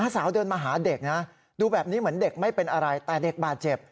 สาวเดินมาหาเด็กนะดูแบบนี้เหมือนเด็กไม่เป็นอะไรแต่เด็กบาดเจ็บ